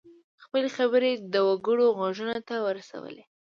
خپلې خبرې د وګړو غوږونو ته ورسولې.